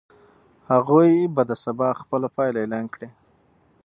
هغوی به سبا خپله پایله اعلان کړي.